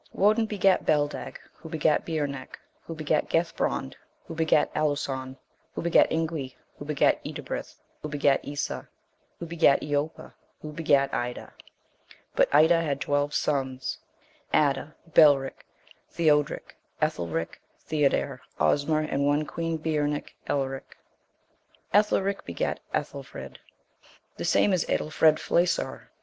Woden begat Beldeg, who begat Beornec, who begat Gethbrond, who begat Aluson, who begat Ingwi, who begat Edibrith, who begat Esa, who begat Eoppa, who begat Ida. But Ida had twelve sons, Adda, Belric, Theodric, Ethelric, Theodhere, Osmer, and one queen, Bearnoch, Ealric. Ethelric begat Ethelfrid: the same is Aedlfred Flesaur.